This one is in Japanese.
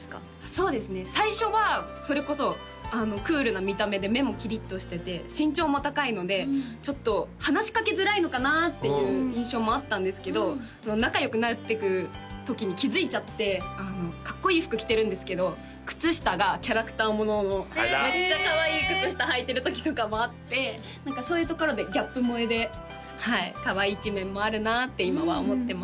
そうですね最初はそれこそクールな見た目で目もキリッとしてて身長も高いのでちょっと話しかけづらいのかなっていう印象もあったんですけど仲良くなってく時に気づいちゃってかっこいい服着てるんですけど靴下がキャラクターもののめっちゃかわいい靴下はいてる時とかもあって何かそういうところでギャップ萌えではいかわいい一面もあるなって今は思ってます